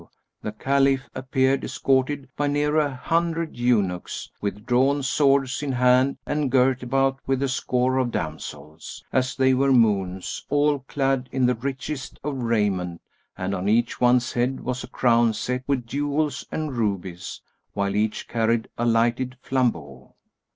the Caliph appeared escorted by near an hundred eunuchs, with drawn swords in hand and girt about with a score of damsels, as they were moons, all clad in the richest of raiment and on each one's head was a crown set with jewels and rubies; while each carried a lighted flambeau.